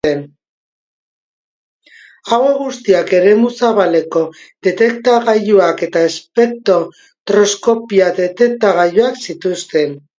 Hauek guztiak Eremu Zabaleko Detektagailuak eta Espektroskopia detektagailuak zituzten.